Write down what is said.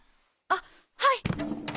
あっはい！